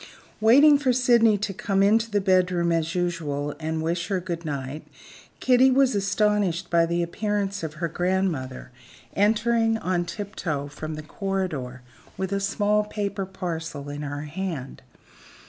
Waiting for Sydney to come into the bedroom as usual and wish her good night, Kitty was astonished by the appearance of her grandmother, entering on tiptoe from the corridor, with a small paper parcel in her hand.